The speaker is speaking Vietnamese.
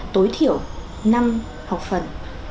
tối thiểu năm học phần